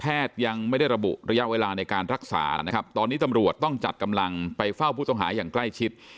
ยังไม่ได้ระบุระยะเวลาในการรักษานะครับตอนนี้ตำรวจต้องจัดกำลังไปเฝ้าผู้ต้องหาอย่างใกล้ชิด